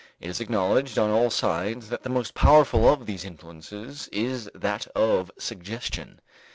It is acknowledged on all sides that the most powerful of these influences is that of suggestion.